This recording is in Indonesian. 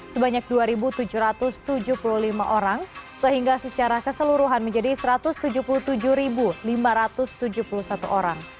sebanyak dua tujuh ratus tujuh puluh lima orang sehingga secara keseluruhan menjadi satu ratus tujuh puluh tujuh lima ratus tujuh puluh satu orang